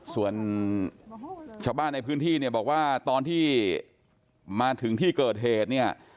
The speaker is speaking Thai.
ส่วนชาวบ้านในพื้นที่เนี่ยบอกว่าตอนที่มาถึงที่เกิดเหตุเนี่ย